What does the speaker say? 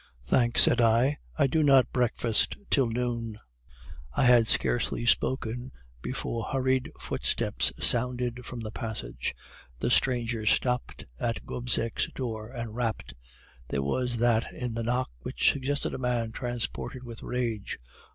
"'Thanks,' said I, 'I do not breakfast till noon.' "I had scarcely spoken before hurried footsteps sounded from the passage. The stranger stopped at Gobseck's door and rapped; there was that in the knock which suggested a man transported with rage.